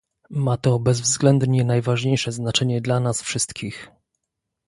Ma to bezwzględnie najważniejsze znaczenie dla nas wszystkich